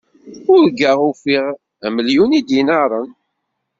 Urgaɣ ufiɣ amelyun n yidinaṛen.